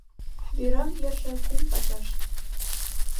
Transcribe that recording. Вӱраҥ йырже кум пачаш